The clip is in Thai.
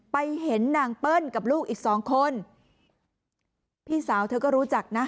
ไปเห็นนางเปิ้ลกับลูกอีกสองคนพี่สาวเธอก็รู้จักนะ